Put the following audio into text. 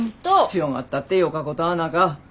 強がったってよかことはなか。